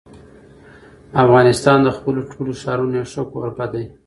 افغانستان د خپلو ټولو ښارونو یو ښه کوربه دی.